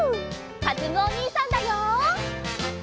かずむおにいさんだよ。